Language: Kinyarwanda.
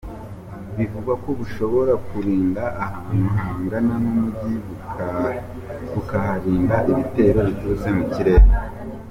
Bivugwa ko bushobora kurinda ahantu hangana n'umujyi, bukaharinda ibitero biturutse mu kirere.